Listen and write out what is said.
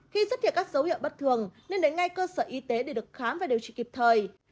khi xuất hiện các dấu hiệu bất thường nên đến ngay cơ sở y tế để được khám và điều trị kịp thời